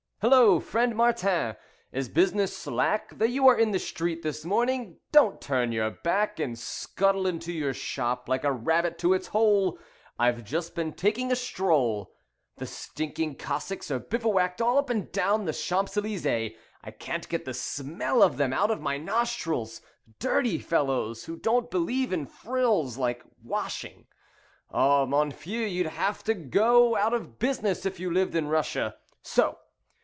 "Hullo! Friend Martin, is business slack That you are in the street this morning? Don't turn your back And scuttle into your shop like a rabbit to its hole. I've just been taking a stroll. The stinking Cossacks are bivouacked all up and down the Champs Elysees. I can't get the smell of them out of my nostrils. Dirty fellows, who don't believe in frills Like washing. Ah, mon vieux, you'd have to go Out of business if you lived in Russia. So!